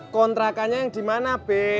kontrakannya yang dimana